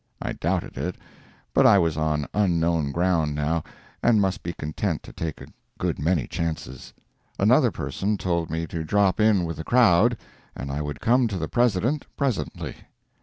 I doubted it, but I was on unknown ground now, and must be content to take a good many chances. Another person told me to drop in with the crowd and I would come to the President presently.